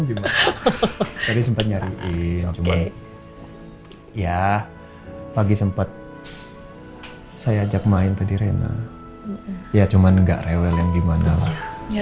ya pagi sempet saya ajak main tadi rena ya cuman enggak rewel yang gimana ya